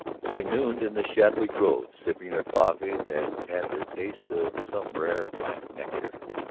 They nooned in the shady grove, sipping their coffee that had the taste of some rare, black nectar.